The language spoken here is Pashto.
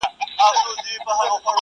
خو مانا نه تکرارېږي.